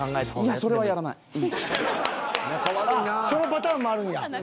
あっそのパターンもあるんや。